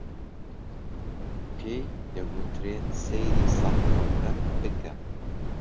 پێی دەگوترێت سەیری سەقفەکە بکە